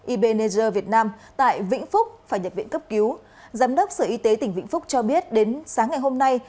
ibneser việt nam tại vĩnh phúc phải nhập viện cấp cứu giám đốc sở y tế tỉnh vĩnh phúc cho biết đến sáng ngày hôm nay